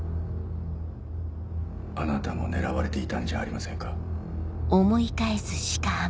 あなたも狙われていたんじゃありませんか？